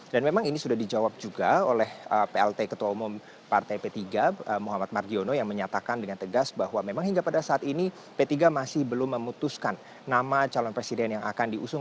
dan memang ini sudah dijawab juga oleh plt ketua umum partai p tiga muhammad margiono yang menyatakan dengan tegas bahwa memang hingga pada saat ini p tiga masih belum memutuskan nama calon presiden yang akan diusung